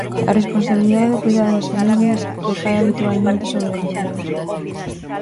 A responsabilidade do coidado das familias recae habitualmente sobre as mulleres.